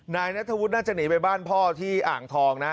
นายนัทธวุฒิน่าจะหนีไปบ้านพ่อที่อ่างทองนะ